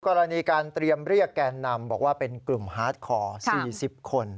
กรณีการเตรียมเรียกแกนนำบอกว่าเป็นกลุ่มฮาร์ดคอร์๔๐คน